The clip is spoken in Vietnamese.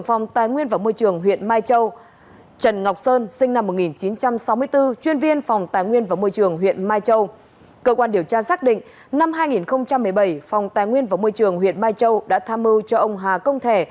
năm hai nghìn một mươi bảy phòng tài nguyên và môi trường huyện mai châu đã tham mưu cho ông hà công thẻ